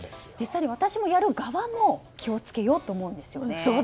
実際に私、やる側も気を付けようと思うんですよね。